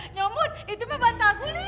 nyomun itu mebantal guling